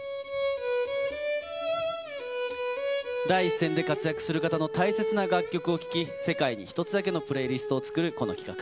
第一線で活躍する方の大切な楽曲を聴き、世界に１つだけのプレーリストを作るこの企画。